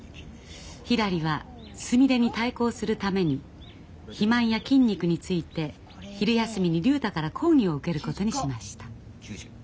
ひらりはすみれに対抗するために肥満や筋肉について昼休みに竜太から講義を受けることにしました。